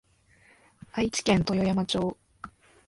愛知県豊山町